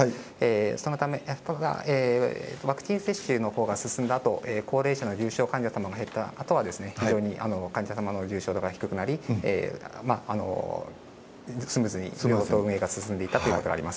そのため、ワクチン接種が進んだあと、高齢者の重症患者さんが減った後は、患者さんの重症化がおさまりねスムーズに病棟運営が進んでいったということがあります。